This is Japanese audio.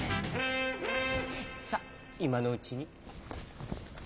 さっいまのうちに。